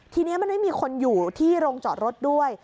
ทีนี้มันไม่มีคนอยู่ที่โรงจอดรถด้วย